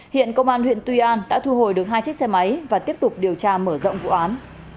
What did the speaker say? hiện công an huyện tuy an đã thu hồi được hai chiếc xe máy và tiếp tục điều tra mở rộng vụ án